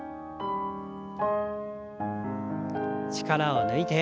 力を抜いて。